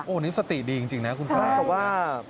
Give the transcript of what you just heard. โอ้นี่สติดีจริงนะคุณครับค่ะใช่แต่ว่า